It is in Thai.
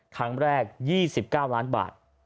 ครั้งแรก๒๙ล้านบาท